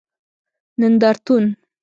نندارتون